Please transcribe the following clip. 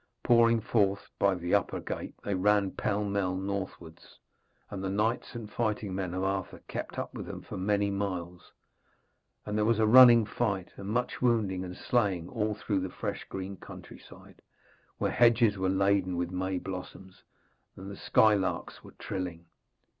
Pouring forth by the upper gate, they ran pell mell northwards, and the knights and fighting men of Arthur kept up with them for many miles, and there was a running fight and much wounding and slaying all through the fresh green countryside, where the hedges were laden with May blossoms, and in the sky the larks were trilling.